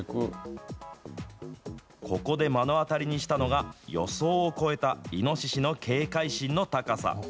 ここで目の当たりにしたのが、予想を超えたイノシシの警戒心の高さ。